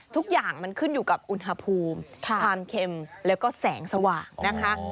ทุกอย่างมันขึ้นอยู่กับอุณหภูมิความเค็มแล้วก็แสงสว่างนะคะ